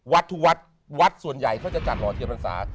วัดถูวัดวัดส่วนใหญ่เค้าจะจัดรอเทียนบรรษา